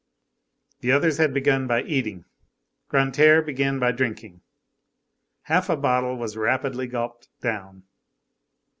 The others had begun by eating, Grantaire began by drinking. Half a bottle was rapidly gulped down.